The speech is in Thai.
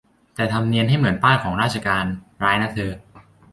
แต่ทำเนียนให้เหมือนป้ายของราชการ ร้ายนะเธอ